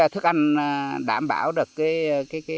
thức ăn đảm bảo được